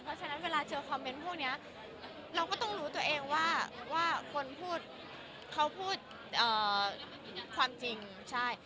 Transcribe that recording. เพราะฉะนั้นเวลาเจอคอมเมนต์พวกนี้เราก็ต้องรู้ตัวเองว่าคนพูดเขาพูดความจริงใช่